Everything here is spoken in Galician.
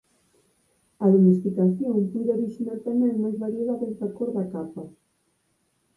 A domesticación puido orixinar tamén máis variedades da cor da capa.